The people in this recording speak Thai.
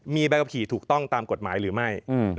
มีใบขับขี่ถูกต้องตามกฎหมายหรือไม่